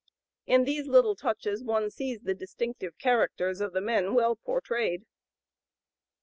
In these little touches one sees the distinctive characters of the men well portrayed.